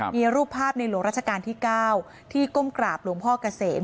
มีรูปภาพในหลวงราชการที่๙ที่ก้มกราบหลวงพ่อเกษม